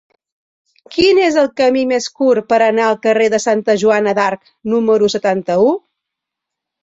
Quin és el camí més curt per anar al carrer de Santa Joana d'Arc número setanta-u?